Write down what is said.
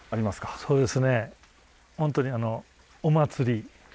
そうですか。